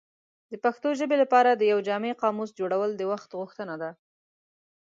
د پښتو ژبې لپاره د یو جامع قاموس جوړول د وخت غوښتنه ده.